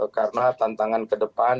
karena tantangan ke depan